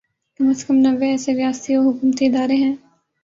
کم از کم نوے ایسے ریاستی و حکومتی ادارے ہیں